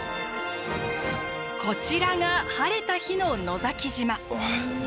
こちらが晴れた日の野崎島。